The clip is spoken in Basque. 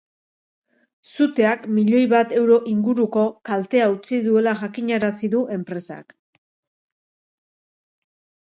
Suteak milioi bat euro inguruko kaltea utzi duela jakinarazi du enpresak.